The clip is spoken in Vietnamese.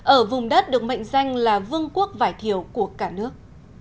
ở vùng đất được mệnh danh là vương quốc vải thiều của cả nước